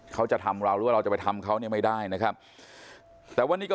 เขาจะทำเราหรือว่าเราจะไปทำเขาเนี่ยไม่ได้นะครับแต่วันนี้ก็